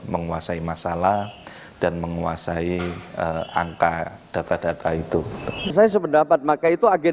menguasai masalah dan menguasai angka data data itu